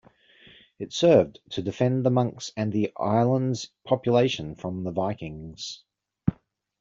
It served to defend the monks and the island's population from the Vikings.